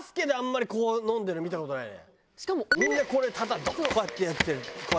みんなこれこうやってやってる。